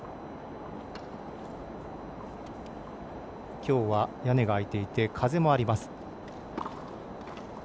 今日は屋根が開いていて風もあります。